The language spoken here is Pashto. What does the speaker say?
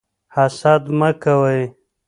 حسد مه کوئ.